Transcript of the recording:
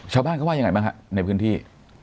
ชาวบ้านก็ว่ายังไงบ้างครับในพื้นที่